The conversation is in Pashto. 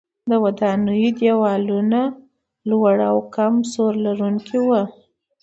د ودانیو دیوالونه لوړ او کم سور لرونکي وو.